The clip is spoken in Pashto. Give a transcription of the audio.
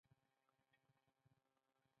په دې دره کې هم ځینې دوکانونه وو.